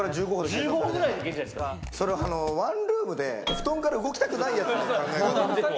それワンルームで布団から動きたくないやつだよね。